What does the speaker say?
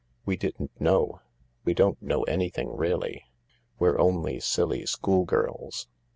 We didn't know. We don't know anything, really. We're only silly schoolgirls.